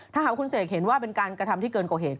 ถ้าหากคุณเสกเห็นว่าเป็นการกระทำที่เกินกว่าเหตุ